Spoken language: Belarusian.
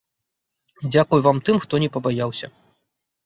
І дзякуй вам, тым, хто не пабаяўся!